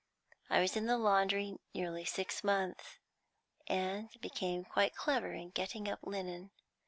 I was in the laundry nearly six months, and became quite clever in getting up linen.